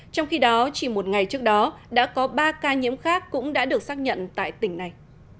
trong khi đó chỉ một ngày trước đó đã có ba ca nhiễm khác cũng đã được xác nhận tại tỉnh này